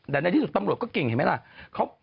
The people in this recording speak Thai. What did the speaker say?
แต่ในที่สุดตำรวจก็เก่งเห็นไหมล่ะ